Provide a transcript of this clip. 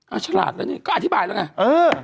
เออชะลาดแล้วนี่ก็อธิบายแล้วไง